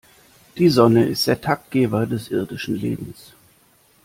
Die Sonne ist der Taktgeber des irdischen Lebens.